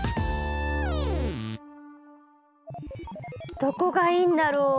どこがいいんだろう？